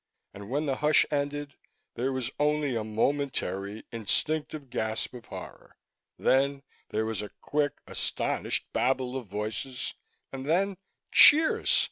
And when the hush ended, there was only a momentary, instinctive gasp of horror. Then there was a quick, astonished babble of voices and then cheers!